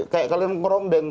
kayak kaleng rombeng